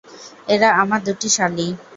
এঁরা আমার দুটি শ্যালী।